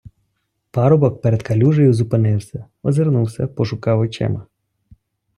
Парубок перед калюжею зупинився, озирнувся, пошукав очима.